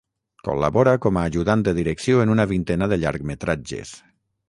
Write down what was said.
Col·labora com a ajudant de direcció en una vintena de llargmetratges.